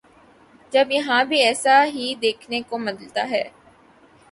جب یہاں بھی ایسا ہی دیکھنے کو ملتا تھا۔